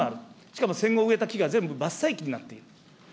しかも、戦後、植えた木が全部、伐採期になっている。